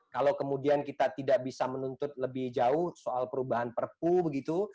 kalau kemudian kita tidak bisa menuntut lebih jauh soal perubahan perpu begitu